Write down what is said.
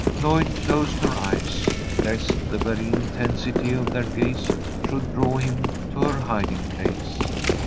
Lloyd closed her eyes lest the very intensity of their gaze should draw him to her hiding place.